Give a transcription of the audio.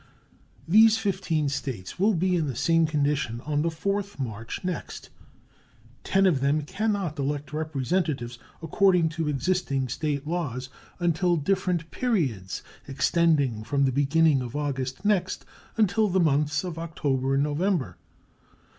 These fifteen States will be in the same condition on the 4th March next. Ten of them can not elect Representatives, according to existing State laws, until different periods, extending from the beginning of August next until the months of October and November.